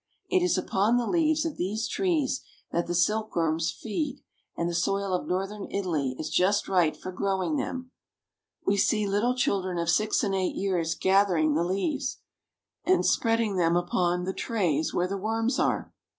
It is upon the leaves of these trees that the silkworms feed, and the soil of northern Italy is just right for grow ing them. We see little children of six and eight years gathering the leaves, and spreading them out upon the trays where the worms are.